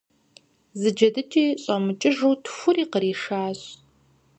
Зы джэдыкӀи щӀэмыкӀыжу тхури къришащ.